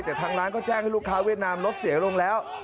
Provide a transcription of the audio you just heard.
แต่ทางร้านก็แจ้งให้ลูกค้าเวียดนามรถเสียลงแล้ว